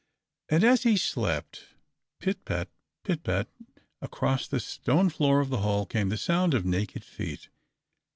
And as he slept, pit pat, pit pat, across the stone floor of the hall came the sound of naked feet.